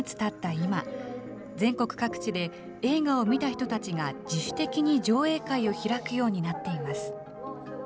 今、全国各地で、映画を見た人たちが自主的に上映会を開くようになっています。